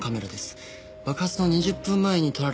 爆発の２０分前に撮られたものです。